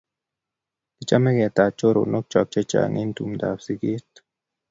Kichome ketach choronok chok chechang' eng' tumndap siget